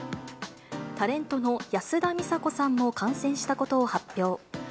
タレントの安田美沙子さんも感染したことを発表。